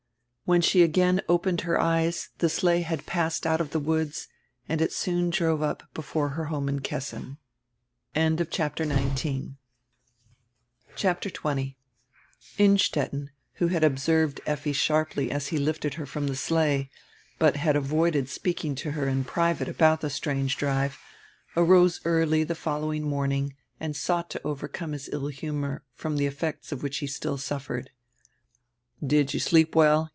When she again opened her eyes die sleigh had passed out of die woods and it soon drove up before her home in Kessin.] CHAPTER XX INSTETTEN, who had observed Effi sharply as he lifted her from die sleigh, hut had avoided speaking to her in private about die strange drive, arose earl)' die following morning and sought to overcome his ill humor, from die effects of which he still suffered. "Did you sleep well!"